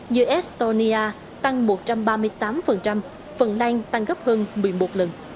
như estonia tăng một trăm ba mươi tám phần lan tăng gấp hơn một mươi một lần